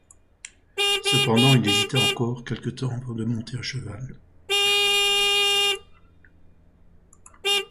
Cependant il hésita encore quelque temps avant de monter à cheval.